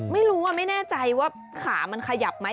ไม่รู้อ่ะไม่แน่ใจว่าขามันขยับไหม